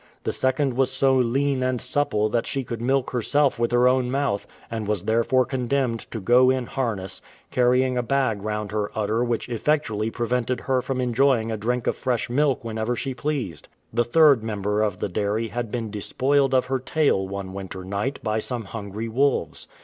The second was so lean and supple that she could milk herself with her own mouth, and was therefore condemned to go in harness, carrying a bag round her udder which effectually prevented her from enjoying a drink of fresh milk whenever she pleased. The third member of the dairy had been despoiled of her tail one winter night by some hungry wolves.